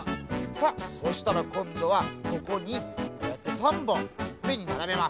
さあそしたらこんどはここにこうやって３ぼんいっぺんにならべます。